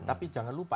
tapi jangan lupa